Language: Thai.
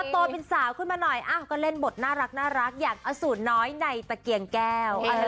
โตเป็นสาวขึ้นมาหน่อยก็เล่นบทน่ารักอย่างอสูตรน้อยในตะเกียงแก้ว